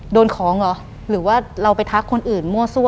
โดนของเหรอหรือว่าเราไปทักคนอื่นมั่วซั่ว